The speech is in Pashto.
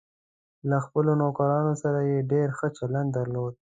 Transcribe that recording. له خپلو نوکرانو سره یې ډېر ښه چلند درلود.